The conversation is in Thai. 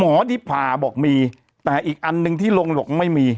ดิผ่าบอกมีแต่อีกอันหนึ่งที่ลงบอกไม่มี